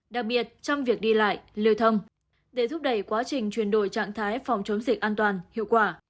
đặc biệt trong việc đi lại lưu thông để thúc đẩy quá trình chuyển đổi trạng thái phòng chống dịch an toàn hiệu quả